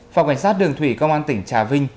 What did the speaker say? phòng cảnh sát đường thủy công an tỉnh trà vinh